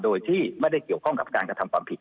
โดยที่ไม่ได้เกี่ยวข้องกับการกระทำความผิด